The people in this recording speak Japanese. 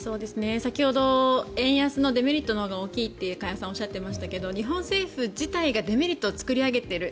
先ほど円安のデメリットのほうが大きいと加谷さんおっしゃってましたけど日本政府自体がデメリットを作り上げている。